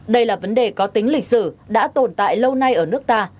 đây là vấn đề có tính lịch sử đã tồn tại lâu nay ở nước ta